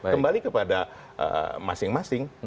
kembali kepada masing masing